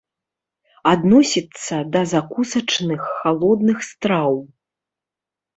Адносіцца да закусачных халодных страў.